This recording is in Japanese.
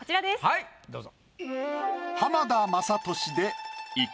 はいどうぞ。